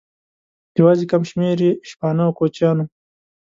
یواځې کم شمېر یې شپانه او کوچیان وو.